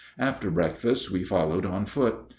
After breakfast we followed on foot.